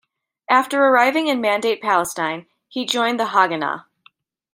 After arriving in Mandate Palestine, he joined the Haganah.